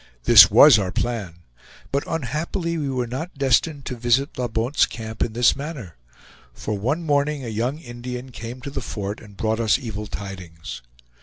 This was our plan, but unhappily we were not destined to visit La Bonte's Camp in this manner; for one morning a young Indian came to the fort and brought us evil tidings.